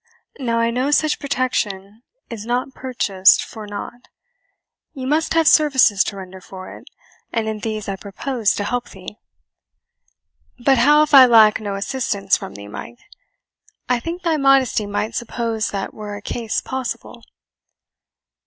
Now I know such protection is not purchased for nought; you must have services to render for it, and in these I propose to help thee." "But how if I lack no assistance from thee, Mike? I think thy modesty might suppose that were a case possible."